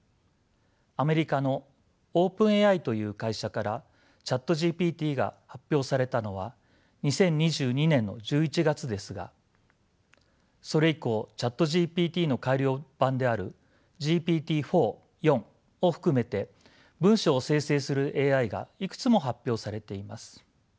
アメリカのオープンＡＩという会社からＣｈａｔＧＰＴが発表されたのは２０２２年の１１月ですがそれ以降ＣｈａｔＧＰＴの改良版であるＧＰＴ−４を含めて文章を生成するＡＩがいくつも発表されています。